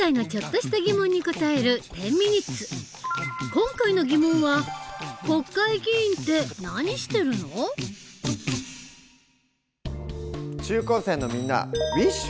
今回の疑問は中高生のみんなウィッシュ！